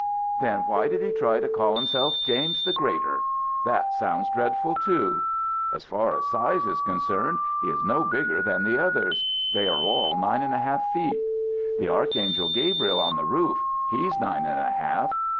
"Then why did he try to call himself James the Greater? That sounds dreadful too. As far as size is concerned he is no bigger than the others: they are all nine and a half feet. The Archangel Gabriel on the roof, he's nine and a half.